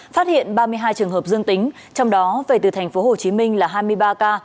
phát hiện ba mươi hai trường hợp dương tính trong đó về từ tp hồ chí minh là hai mươi ba ca